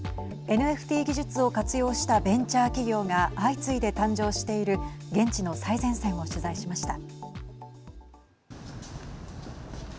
ＮＦＴ技術を活用したベンチャー企業が相次いで誕生している現地の最前線を取材しました。